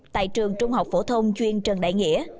tại trường trung học phổ thông chuyên trần đại nghĩa